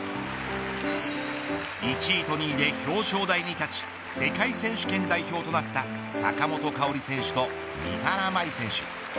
１位と２位で表彰台に立ち世界選手権代表となった坂本花織選手と三原舞依選手。